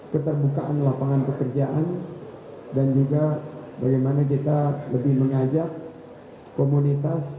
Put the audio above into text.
keterbukaan lapangan pekerjaan dan juga bagaimana kita lebih mengajak komunitas